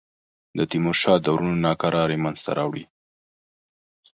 د تیمورشاه د وروڼو ناکراری منځته راوړي.